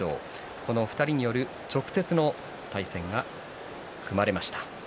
この２人による直接の対戦が組まれました。